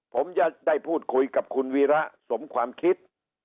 ผมจะได้พูดคุยกับคุณวีระสมความคิด